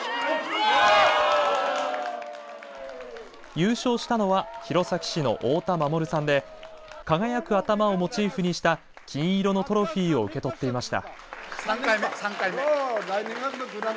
優勝したのは弘前市の太田守さんで輝く頭をモチーフにした金色のトロフィーを受け取っていました。